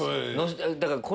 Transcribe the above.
だから。